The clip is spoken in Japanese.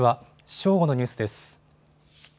正午のニュースです。